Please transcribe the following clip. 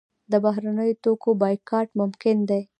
د بهرنیو توکو بایکاټ ممکن دی؟